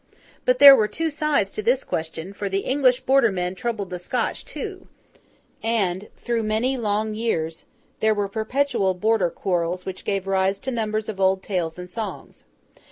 But there were two sides to this question; for the English Border men troubled the Scotch too; and, through many long years, there were perpetual border quarrels which gave rise to numbers of old tales and songs.